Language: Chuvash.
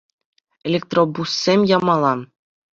Электробуссем ямалла.